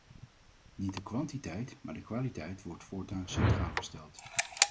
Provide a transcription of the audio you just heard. Niet de kwantiteit, maar de kwaliteit wordt voortaan centraal gesteld.